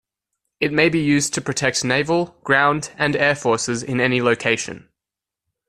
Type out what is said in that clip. It may be used to protect naval, ground, and air forces in any location.